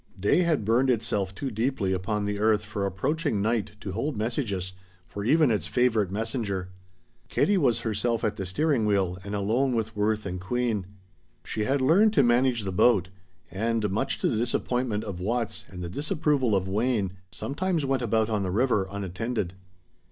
Day had burned itself too deeply upon the earth for approaching night to hold messages for even its favorite messenger. Katie was herself at the steering wheel, and alone with Worth and Queen. She had learned to manage the boat, and much to the disappointment of Watts and the disapproval of Wayne sometimes went about on the river unattended.